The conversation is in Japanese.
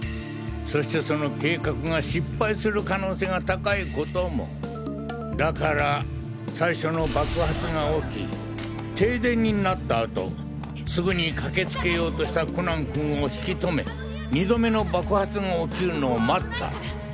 そしてその計画が失敗する可能性が高いこともだから最初の爆発が起き停電になったあとすぐに駆けつけようとしたコナン君を引きとめ２度目の爆発が起きるのを待った。